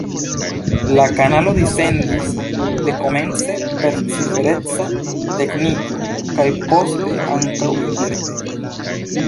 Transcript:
La kanalo dissendis dekomence per cifereca tekniko kaj poste ankaŭ interrete.